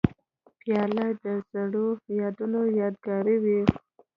پیاله د زړو یادونو یادګار وي.